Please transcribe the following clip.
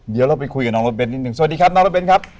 เดี๋ยวเราไปคุยกับน้องรถเบ้นนิดนึงสวัสดีครับน้องรถเน้นครับ